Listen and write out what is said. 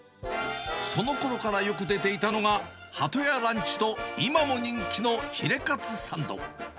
そのころからよく出ていたのが、ハトヤランチと、今も人気のヒレカツサンド。